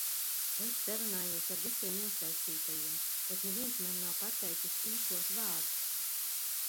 Es sarunājos ar visiem iesaistītajiem, bet neviens man nav pateicis īstos vārdus.